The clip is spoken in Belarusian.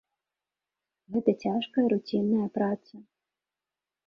Гэта цяжкая руцінная праца.